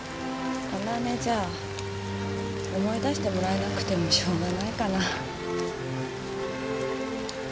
こんな姉じゃあ思い出してもらえなくてもしょうがないかな。